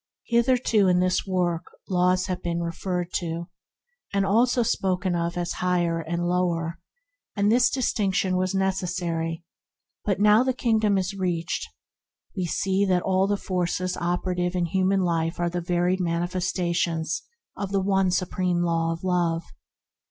Hitherto in this work laws have been spoken 72 ENTERING THE KINGDOM of as being higher and lower, and this distinction was necessary; but now the Kingdom is reached, we see that all the forces operative in human life are the varied manifestations of the One Supreme Law of Love.